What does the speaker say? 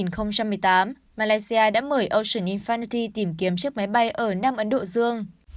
năm hai nghìn một mươi tám malaysia đã mời ocean inf farnity tìm kiếm chiếc máy bay ở nam ấn độ dương